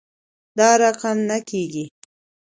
دا رقم نه کیږي